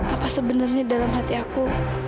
apa sebenarnya dalam hati aku